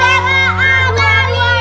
yang salah amalia